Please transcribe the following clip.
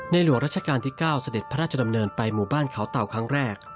หลวงราชการที่๙เสด็จพระราชดำเนินไปหมู่บ้านเขาเต่าครั้งแรก